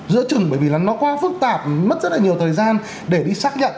giữa chừng bởi vì là nó quá phức tạp mất rất là nhiều thời gian để đi xác nhận